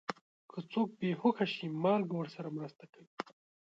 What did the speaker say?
که څوک بې هوښه شي، مالګه ورسره مرسته کوي.